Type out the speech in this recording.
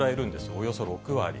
およそ６割。